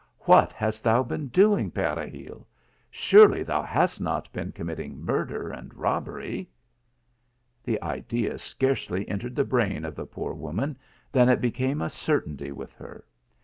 " What hast thou been doing, Peregil ? Surely thou hast not been committing murder and robbery ! The idea scarce entered the brain of the poor woman than it became a certainty with her.